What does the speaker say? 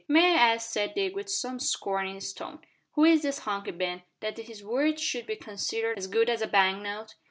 "May I ask," said Dick, with some scorn in his tone, "who is this Hunky Ben, that his word should be considered as good as a bank note?"